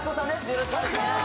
よろしくお願いします